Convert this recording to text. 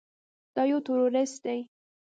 دا يو ټروريست دى.